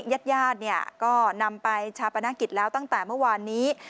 ญาติญาติก็นำไปชาปนกิจแล้วตั้งแต่เมื่อวานนี้